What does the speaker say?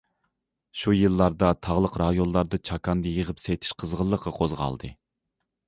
شۇ يىللاردا تاغلىق رايونلاردا چاكاندا يىغىپ سېتىش قىزغىنلىقى قوزغالدى.